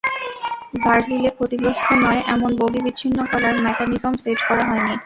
ভার্জিলে ক্ষতিগ্রস্থ নয় এমন বগি বিচ্ছিন্ন করার ম্যাকানিজম সেট করা হয়নি।